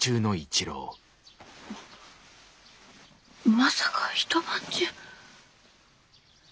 まさか一晩中？